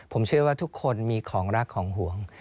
ผมเชื่อว่าทุกคนมีของรักของห่วง